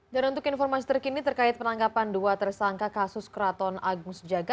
dan untuk informasi terkini terkait penangkapan dua tersangka kasus keraton agung sejaga